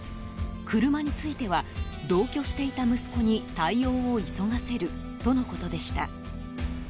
車については同居していた息子に対応を急がせるとのことでした。